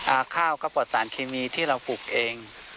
ข้าวก็ปลดสารเคมีที่เราปลูกเอง